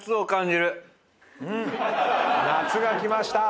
夏が来ました！